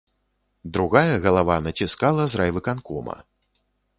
Другая галава націскала з райвыканкома.